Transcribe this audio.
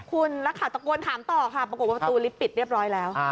คุณราคาตกลถามต่อปรากฏว่าประตูลิฟท์ปิดเรียบร้อยแล้ว